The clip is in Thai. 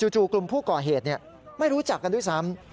จู่กลุ่มผู้ก่อเหตุไม่รู้จักกันด้วยซ้ำ